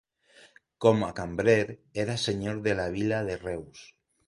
Com a cambrer, era senyor de la vila de Reus.